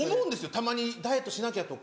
たまにダイエットしなきゃとか。